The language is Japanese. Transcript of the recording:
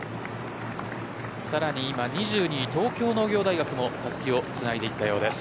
さらに今２２位、東京農業大学もたすきをつないだようです。